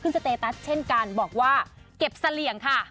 สเตตัสเช่นกันบอกว่าเก็บเสลี่ยงค่ะ